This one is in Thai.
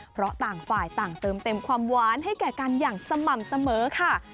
เพราะต่างฝ่ายต่างเติมเต็มความหวานให้แก่กันอย่างสม่ำเสมอค่ะ